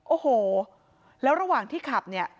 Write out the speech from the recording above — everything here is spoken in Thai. โอ้โหแล้วระหว่างที่ขับเนี่ย